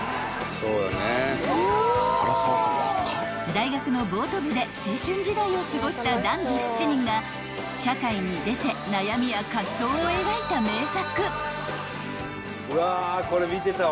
［大学のボート部で青春時代を過ごした男女７人が社会に出て悩みや葛藤を描いた名作］